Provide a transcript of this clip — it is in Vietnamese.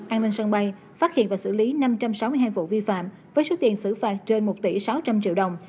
an ninh sân bay phát hiện và xử lý năm trăm sáu mươi hai vụ vi phạm với số tiền xử phạt trên một tỷ sáu trăm linh triệu đồng